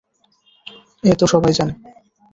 এ তো সবাই জানে।